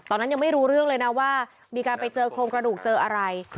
ยังไม่รู้เรื่องเลยนะว่ามีการไปเจอโครงกระดูกเจออะไร